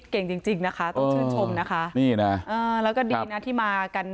เก่งจริงจริงนะคะต้องชื่นชมนะคะนี่นะอ่าแล้วก็ดีนะที่มากัน